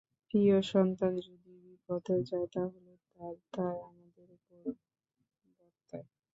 প্রিয় সন্তান যদি বিপথে যায়, তাহলে তার দায় আমাদের ওপর বর্তায়।